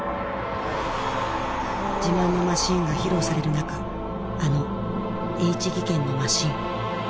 自慢のマシンが披露される中あのＨ技研のマシン。